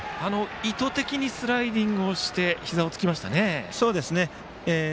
意図的にスライディングをしてひざをつきましたね。